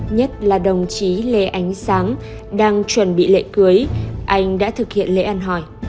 nhất là đồng chí lê ánh sáng đang chuẩn bị lễ cưới anh đã thực hiện lễ ăn hỏi